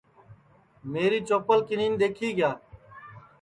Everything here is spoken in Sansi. میری چوپل کینین دؔیکھی کیا